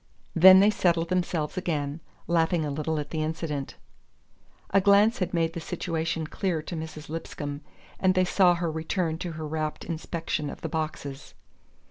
Then they settled themselves again, laughing a little at the incident. A glance had made the situation clear to Mrs. Lipscomb, and they saw her return to her rapt inspection of the boxes.